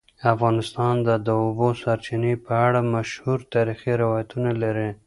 افغانستان د د اوبو سرچینې په اړه مشهور تاریخی روایتونه لري.